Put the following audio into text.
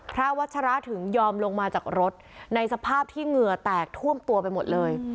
วัชระถึงยอมลงมาจากรถในสภาพที่เหงื่อแตกท่วมตัวไปหมดเลย